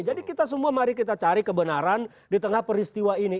jadi kita semua mari kita cari kebenaran di tengah peristiwa ini